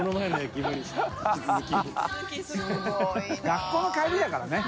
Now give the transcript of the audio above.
学校の帰りだからね。